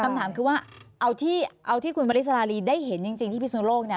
คำถามคือว่าเอาที่คุณวริสรารีได้เห็นจริงที่พิศนุโลกเนี่ย